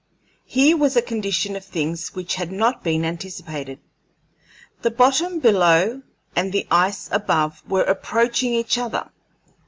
Here was a condition of things which had not been anticipated. The bottom below and the ice above were approaching each other.